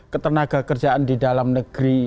ketenaga kerjaan di dalam negeri